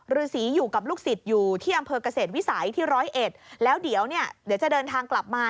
ฤษีอยู่กับลูกศิษย์อยู่ที่อำเภอกเกษตรวิสัยที่ร้อยเอ็ดแล้วเดี๋ยวเนี่ยเดี๋ยวจะเดินทางกลับมา